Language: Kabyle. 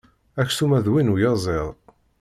Aksum-a d win uyaẓiḍ.